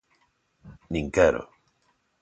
Nin quero.